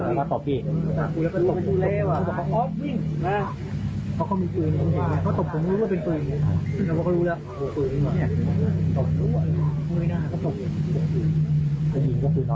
ที่ได้ว่าแต่ว่าตอนที่ว่าเขากำลังจับไก่อยู่ก็ตบตรงนี้